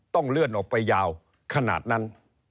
ต้องเลื่อนออกไปยาวขนาดนั้น